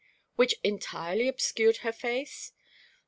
"Which entirely obscured her face?"